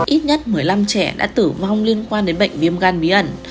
ít nhất một mươi năm trẻ đã tử vong liên quan đến bệnh viêm gan bí ẩn